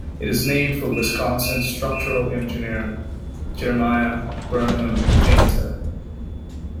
It is named for Wisconsin structural engineer Jeremiah Burnham Tainter.